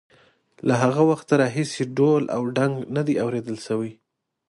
له هغه وخته راهیسې ډول او ډنګ نه دی اورېدل شوی.